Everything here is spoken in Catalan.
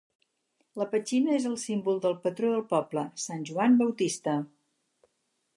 La petxina és el símbol del patró del poble, Sant Joan Baptista.